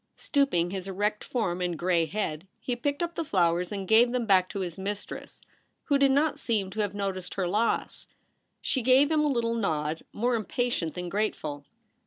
Stooping his erect form and gray head, he picked up the flowers and gave them back to his mistress, who did not seem to have noticed her loss. She gave him a little nod, more impatient than grateful.